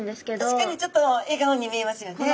確かにちょっとえがおに見えますよね。